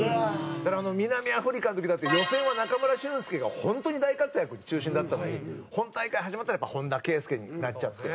だからあの南アフリカの時だって予選は中村俊輔が本当に大活躍で中心だったのに本大会始まったらやっぱ本田圭佑になっちゃって。